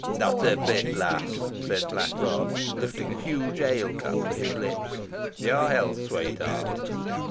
"Not a bit, lass," said Blackrod, lifting a huge ale cup to his lips. "Your health, sweetheart."